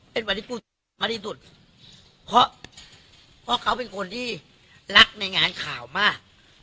เป็นวันที่พูดมากที่สุดเพราะเขาเป็นคนที่รักในงานข่าวมาก